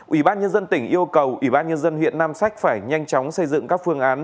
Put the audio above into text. ủy ban nhân dân tỉnh yêu cầu ủy ban nhân dân huyện nam sách phải nhanh chóng xây dựng các phương án